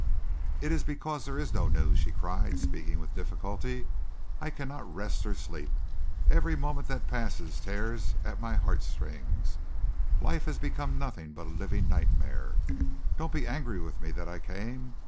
"It is because there is no news," she cried, speaking with difficulty. "I cannot rest or sleep. Every moment that passes tears at my heartstrings. Life has become nothing but a living nightmare. Don't be angry with me that I came.